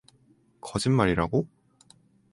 거짓말이라고?